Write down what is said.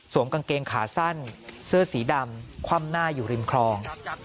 กางเกงขาสั้นเสื้อสีดำคว่ำหน้าอยู่ริมคลอง